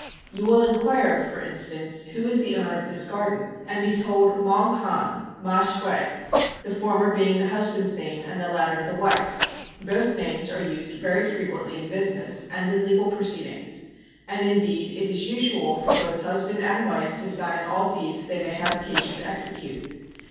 You will inquire, for instance, who is the owner of this garden, and be told Maung Han, Ma Shwè, the former being the husband's name and the latter the wife's. Both names are used very frequently in business and in legal proceedings, and indeed it is usual for both husband and wife to sign all deeds they may have occasion to execute.